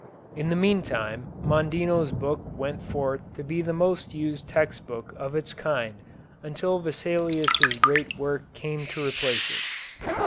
In the meantime Mondino's book went forth to be the most used text book of its kind until Vesalius' great work came to replace it.